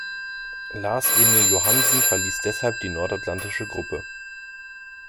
Lars-Emil Johansen verließ deshalb die Nordatlantische Gruppe.